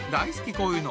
こういうの。